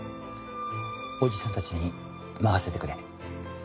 おじさんたちに任せてくれ。